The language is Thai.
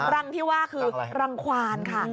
รังที่ว่าคือรังควานค่ะ